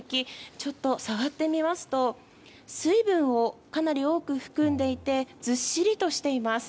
ちょっと触ってみますと水分をかなり多く含んでいてずっしりとしています。